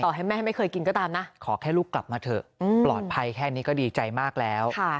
ให้แม่ไม่เคยกินก็ตามนะขอแค่ลูกกลับมาเถอะปลอดภัยแค่นี้ก็ดีใจมากแล้ว